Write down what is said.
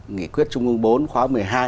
nghị quyết chung cung bốn khóa một mươi hai